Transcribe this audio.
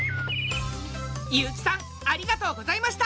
悠木さんありがとうございました！